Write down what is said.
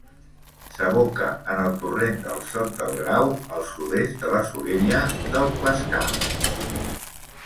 S'aboca en el torrent del Sot del Grau al sud-est de la Solella del Clascar.